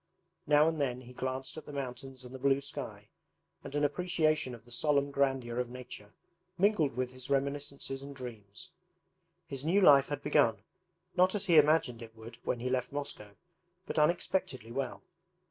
Now and then he glanced at the mountains and the blue sky, and an appreciation of the solemn grandeur of nature mingled with his reminiscences and dreams. His new life had begun, not as he imagined it would when he left Moscow, but unexpectedly well.